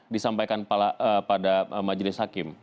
disampaikan pada majelis hakim